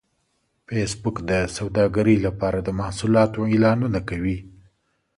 فېسبوک د سوداګرۍ لپاره د محصولاتو اعلانونه کوي